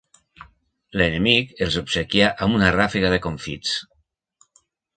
L'enemic els obsequià amb una ràfega de confits.